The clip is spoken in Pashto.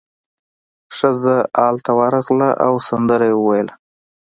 ښځه ال ته ورغله او سندره یې وویله.